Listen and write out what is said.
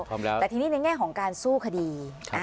แต่ทีนี้ในแง่ของการสู้คดี